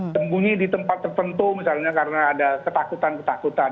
sembunyi di tempat tertentu misalnya karena ada ketakutan ketakutan